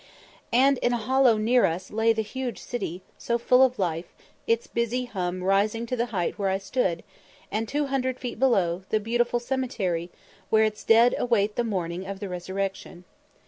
And in a hollow near us lay the huge city, so full of life, its busy hum rising to the height where I stood; and 200 feet below, the beautiful cemetery, where its dead await the morning of the resurrection.